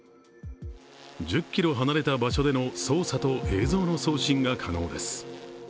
１０ｋｍ離れた場所での操作と映像の送信が可能です。